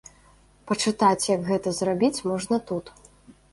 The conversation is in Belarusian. Пачытаць, як гэта зрабіць, можна тут.